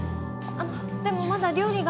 あっでもまだ料理が。